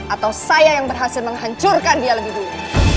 atau saya yang berhasil menghancurkan dia lebih dulu